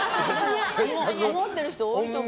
思っている人は多いと思う。